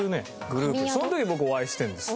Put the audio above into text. その時僕お会いしてるんです。